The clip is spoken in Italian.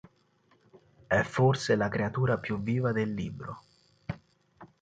È forse la creatura più viva del libro.